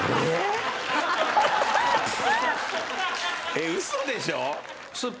えっウソでしょ？